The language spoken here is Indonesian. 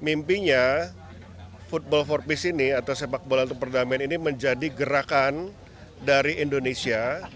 mimpinya football for peace ini atau sepak bola untuk perdamaian ini menjadi gerakan dari indonesia